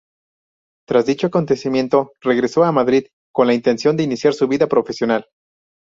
Tras dicho acontecimiento regresó a Madrid con la intención de iniciar su vida profesional.